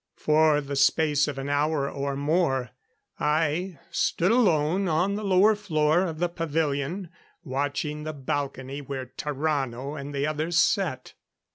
For the space of an hour or more, I stood alone on the lower floor of the pavilion, watching the balcony where Tarrano and the others sat.